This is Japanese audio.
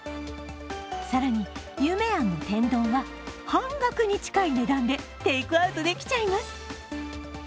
更に夢庵の天丼は半額に近い値段でテイクアウトできちゃいます。